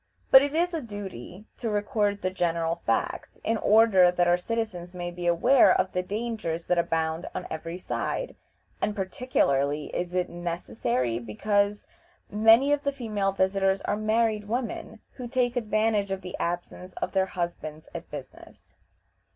But it is a duty to record the general facts, in order that our citizens may be aware of the dangers that abound on every side; and particularly is it necessary because many of the female visitors are married women, who take advantage of the absence of their husbands at business.